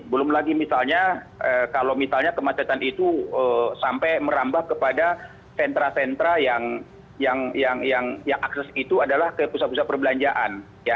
belum lagi misalnya kalau misalnya kemacetan itu sampai merambah kepada sentra sentra yang akses itu adalah ke pusat pusat perbelanjaan